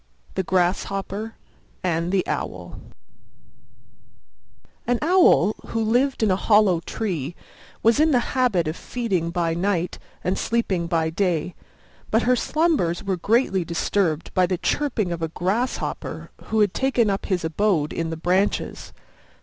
THE GRASSHOPPER AND THE OWL An Owl, who lived in a hollow tree, was in the habit of feeding by night and sleeping by day; but her slumbers were greatly disturbed by the chirping of a Grasshopper, who had taken up his abode in the branches.